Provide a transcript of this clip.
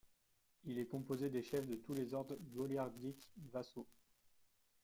Il est composé des chefs de tous les ordres goliardiques vassaux.